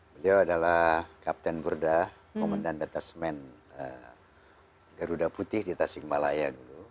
beliau adalah kapten burda komandan data semen garuda putih di tasikmalaya dulu